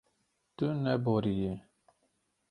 Tu neboriyî.